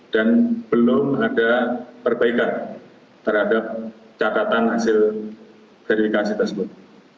dan belum ada perbaikan terhadap catatan hasil verifikasi tersebut